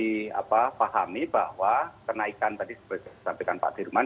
jadi apa pahami bahwa kenaikan tadi seperti yang disampaikan pak dirman